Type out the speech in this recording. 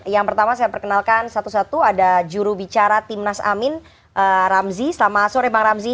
yang pertama saya perkenalkan satu satu ada jurubicara timnas amin ramzi selamat sore bang ramzi